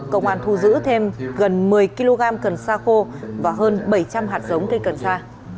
công an thu giữ thêm gần một mươi kg cần sa khô và hơn bảy trăm linh hạt giống cây cần sa